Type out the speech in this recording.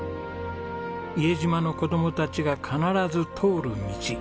伊江島の子供たちが必ず通る道。